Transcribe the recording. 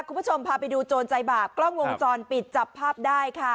คุณผู้ชมพาไปดูโจรใจบาปกล้องวงจรปิดจับภาพได้ค่ะ